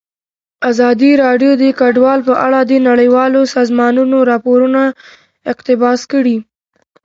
ازادي راډیو د کډوال په اړه د نړیوالو سازمانونو راپورونه اقتباس کړي.